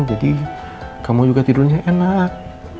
jadi kamu juga tidurnya enak